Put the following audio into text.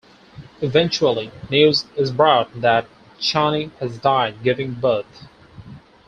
Eventually, news is brought that Chani has died giving birth.